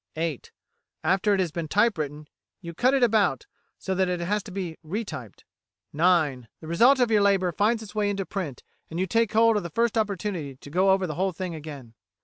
"(8) After it has been type written, you cut it about, so that it has to be re typed. "(9) The result of your labour finds its way into print, and you take hold of the first opportunity to go over the whole thing again."